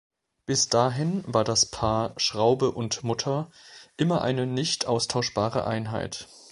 Bis dahin war das Paar Schraube und Mutter immer eine nicht austauschbare Einheit.